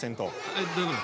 えっどういうこと？